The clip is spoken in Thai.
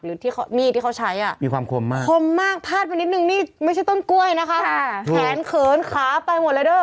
หรือที่มีดที่เขาใช้อ่ะมีความคมมากคมมากพาดไปนิดนึงนี่ไม่ใช่ต้นกล้วยนะคะแขนเขินขาไปหมดเลยเด้อ